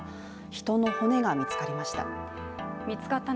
人の骨が見つかりました。